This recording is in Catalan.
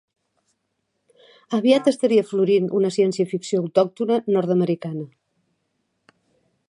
Aviat estaria florint una ciència-ficció autòctona nord-americana.